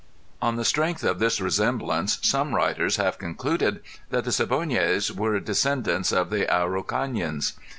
On the strength of this resemblance some writers have concluded that the Siboneyes were descendants of the Araucanians.